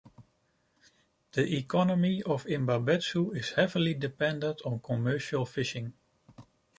The economy of Imabetsu is heavily dependent on commercial fishing.